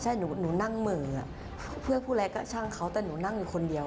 ใช่หนูนั่งเหม่อเพื่อผู้ร้ายก็ช่างเขาแต่หนูนั่งอยู่คนเดียว